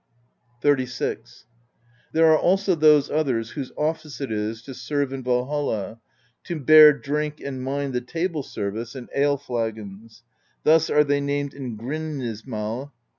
XXXVI. "There are also those others whose office it is to serve in Valhall, to bear drink and mind the table service and ale flagons; Jthus are they named in Grimnismal: ^ Denial, refutation.